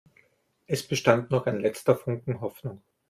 Es bestand noch ein letzter Funken Hoffnung.